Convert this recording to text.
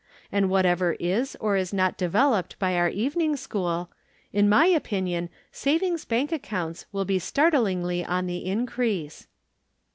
And whatever is or is not developed by our evening school, in my opinion savings bank accounts wiU be startlingly on the increase.